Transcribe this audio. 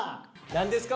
何ですか？